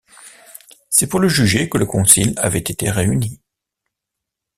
C'est pour le juger que le concile avait été réuni.